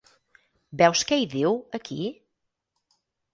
Veus què hi diu, aquí?